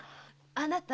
あなた。